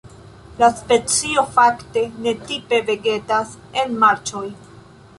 La specio fakte ne tipe vegetas en marĉoj.